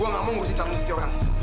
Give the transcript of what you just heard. gue gak mau ngurusin calon setia orang